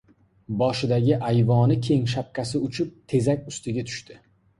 Boshidagi ayvoni keng shapkasi uchib, tezak ustiga tushdi.